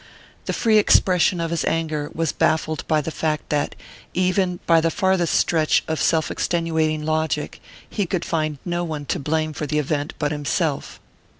The free expression of his anger was baffled by the fact that, even by the farthest stretch of self extenuating logic, he could find no one to blame for the event but himself.